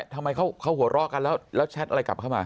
ทำไมเขาหัวเราะกันแล้วแชทอะไรกลับเข้ามา